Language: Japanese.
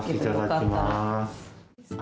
いただきます。